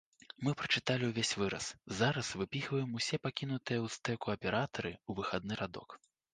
Мы прачыталі ўвесь выраз, зараз выпіхваем усе пакінутыя ў стэку аператары ў выхадны радок.